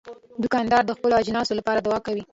دوکاندار د خپلو اجناسو لپاره دعا کوي.